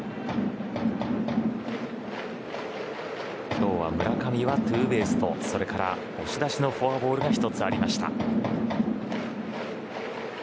今日は村上はツーベースとそれから押し出しのフォアボールが１つありました。